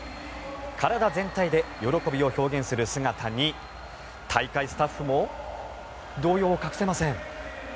体全体で喜びを表現する姿に大会スタッフも動揺を隠せません。